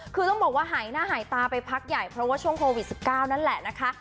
คือต้องบอกว่าหายหน้าหายตาไปพักใหญ่เพราะว่าช่วงโควิด๑๙นั่นแหละนะคะ